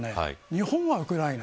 日本はウクライナ